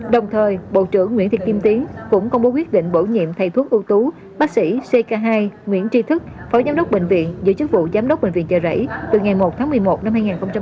đồng thời bộ trưởng nguyễn thị kim tiến cũng công bố quyết định bổ nhiệm thầy thuốc ưu tú bác sĩ ck hai nguyễn tri thức phó giám đốc bệnh viện giữ chức vụ giám đốc bệnh viện chợ rẫy từ ngày một tháng một mươi một năm hai nghìn một mươi chín